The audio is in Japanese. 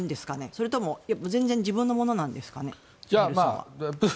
それとも全然自分のものなんですかね？